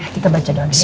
kita baca doa dia ya